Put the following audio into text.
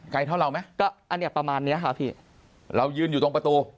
เท่าเราไหมก็อันเนี้ยประมาณเนี้ยค่ะพี่เรายืนอยู่ตรงประตู